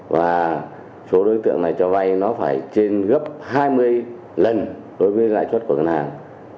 và số đối tượng này cho vay nó phải trên gấp hai mươi lần đối với lãi suất của ngân hàng